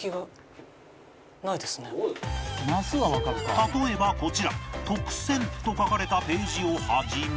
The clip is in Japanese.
例えばこちら「特」と書かれたページを始め